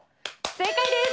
正解です。